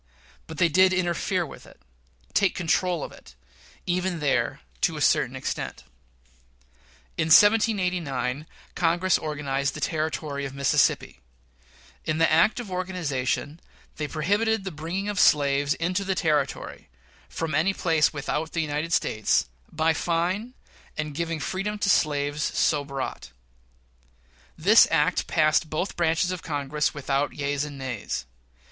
But they did interfere with it take control of it even there, to a certain extent. In 1798, Congress organized the Territory of Mississippi: In the act of organization they prohibited the bringing of slaves into the Territory from any place without the United States, by fine and giving freedom to slaves so brought. This act passed both branches of Congress without yeas and nays.